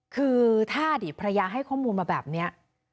คือถ้าอดีตภรรยาให้ข้อมูลมาแบบนี้